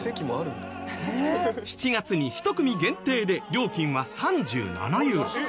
７月に１組限定で料金は３７ユーロ。